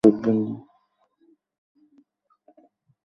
আজেবাজে বকবেন না।